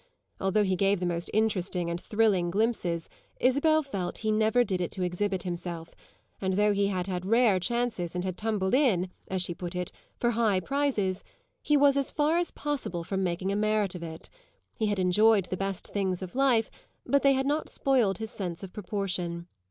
Although he gave the most interesting and thrilling glimpses Isabel felt he never did it to exhibit himself, and though he had had rare chances and had tumbled in, as she put it, for high prizes, he was as far as possible from making a merit of it. He had enjoyed the best things of life, but they had not spoiled his sense of proportion.